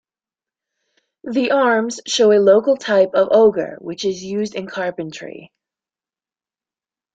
The arms show a local type of auger which is used in carpentry.